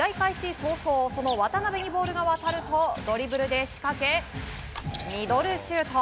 早々渡邊にボールが渡るとドリブルで仕掛けミドルシュート。